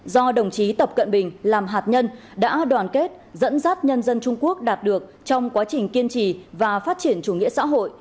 do đồng chí tập cận bình làm hạt nhân đã đoàn kết dẫn dắt nhân dân trung quốc đạt được trong quá trình kiên trì và phát triển chủ nghĩa xã hội